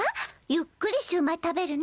ゆっくりシューマイ食べるね。